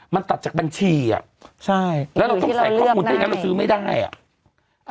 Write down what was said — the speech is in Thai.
มันตัดจากบัญชีอ่ะแล้วเราต้องใส่ข้อคุณได้ถ้าเราซื้อไม่ได้อ่ะ